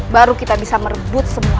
baru kita bisa merebut semua